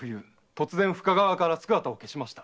突然深川から姿を消しました。